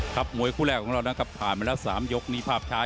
มวยคู่แรกของเรานะครับผ่านมาแล้ว๓ยกนี่ภาพช้า